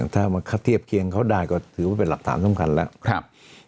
ถ้ามาเทียบเคียงเขาได้ก็ถือว่าเป็นหลักฐานสำคัญแล้ว